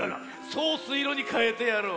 ソースいろにかえてやろう。